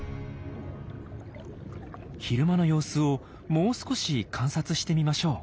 昼間の様子をもう少し観察してみましょう。